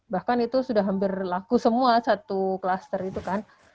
bahkan itu sudah hampir laku semua satu kluster itu kan